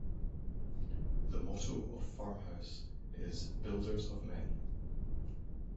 The motto of FarmHouse is "Builders of Men".